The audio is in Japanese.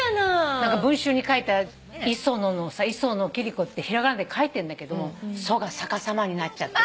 文集に書いた「いその」のさ「いそのきりこ」って平仮名で書いてるんだけど「そ」が逆さまになっちゃってる。